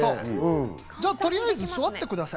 じゃあ、とりあえず座ってください。